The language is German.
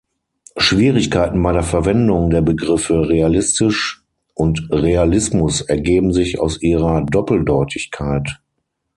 Schwierigkeiten bei der Verwendung der Begriffe realistisch und Realismus ergeben sich aus ihrer Doppeldeutigkeit.